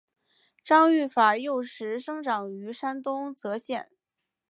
张玉法幼时生长于山东峄县。